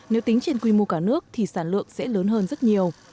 nếu tính trên quy mô cả nước thì sản lượng sẽ lớn hơn rất nhiều